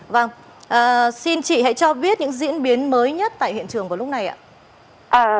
vâng xin chị hãy cho biết những diễn biến mới nhất tại hiện trường vào lúc này ạ